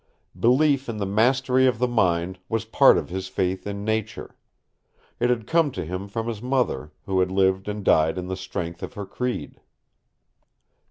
Belief in the mastery of the mind was part of his faith in nature. It had come to him from his mother, who had lived and died in the strength of her creed.